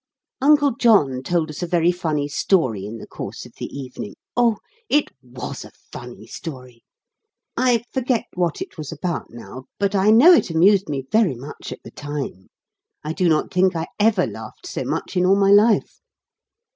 Uncle John told us a very funny story in the course of the evening. Oh, it WAS a funny story! I forget what it was about now, but I know it amused me very much at the time; I do not think I ever laughed so much in all my life.